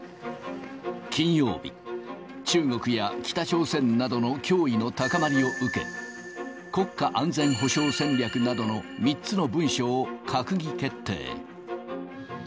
金曜日、中国や北朝鮮などの脅威の高まりを受け、国家安全保障戦略などの３つの文書を閣議決定。